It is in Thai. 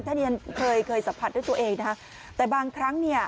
ถ้าที่ฉันเคยเคยสัมผัสด้วยตัวเองนะฮะแต่บางครั้งเนี่ย